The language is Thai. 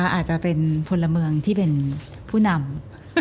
อาจจะเป็นพลเมืองที่เป็นผู้นำ